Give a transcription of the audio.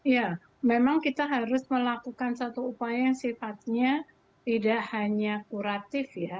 ya memang kita harus melakukan satu upaya yang sifatnya tidak hanya kuratif ya